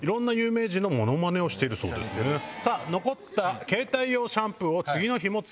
残った携帯用シャンプーを次の日も使いたい。